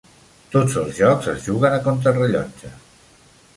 Tots els jocs es juguen a contrarellotge.